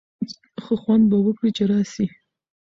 ښه خوند به وکړي چي راسی.